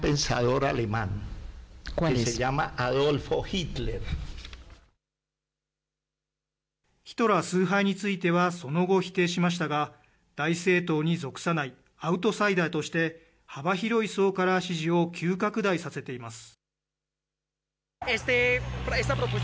ヒトラー崇拝についてはその後否定しましたが、大政党に属さないアウトサイダーとして、幅広い層から支持を急拡大させています。